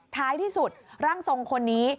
ท้ายที่สุดร่างทรงคนนี้